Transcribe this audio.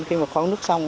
khi mà khoan nước xong